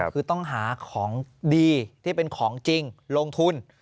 คือต้องหาของดีที่เป็นของจริงลงทุน